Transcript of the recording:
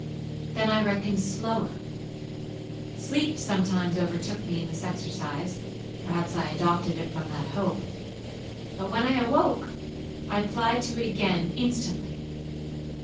Then I reckoned slower. Sleep sometimes overtook me in this exercise, (perhaps I adopted it from that hope); but when I awoke, I applied to it again instantly.